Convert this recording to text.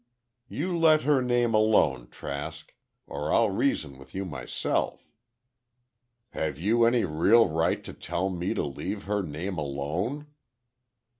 "You let her name alone, Trask, or I'll reason with you myself." "Have you any real right to tell me to leave her name alone?"